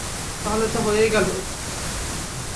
তাহলে তো হয়েই গেল।